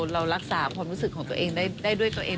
เรารักษาความรู้สึกของตัวเองได้ด้วยตัวเอง